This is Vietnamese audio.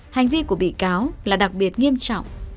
hành vi của bị cáo là đặc biệt nghiêm trọng